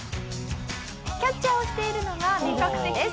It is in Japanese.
キャッチャーをしているのがメグさんです。